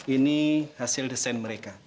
ini hasil desain mereka